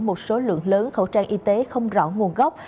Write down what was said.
một số lượng lớn khẩu trang y tế không rõ nguồn gốc